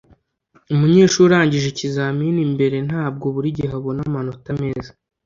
Umunyeshuri urangije ikizamini mbere ntabwo buri gihe abona amanota meza